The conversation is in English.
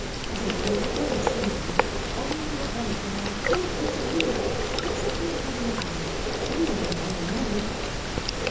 At any rate we'll go and see them. On with your bonnet now, I cannot wait a minute. Have something to cover your eyes. Conny '11 be there I know."